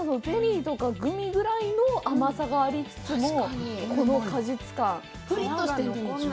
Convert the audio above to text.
グミぐらいの甘さがありつつも、この果実感！プリッとしてるの。